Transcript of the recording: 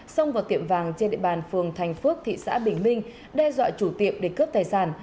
xông vào tiệm vàng trên địa bàn phường thành phước thị xã bình minh đe dọa chủ tiệm để cướp tài sản